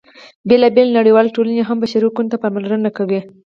بېلا بېلې نړیوالې ټولنې هم بشري حقونو ته پاملرنه کوي.